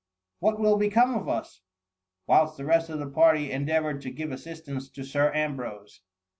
What will become of us ?*' whilst the rest of the party en deavoured to give assistance to Sir Ambrose.